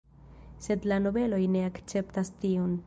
Sed la nobeloj ne akceptas tion.